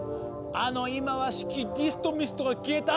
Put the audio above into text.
あの忌まわしきディストミストが消えた